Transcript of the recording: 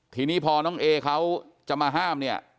ทีนี้พอน้องเอเขาจะมาห้ามเนี่ย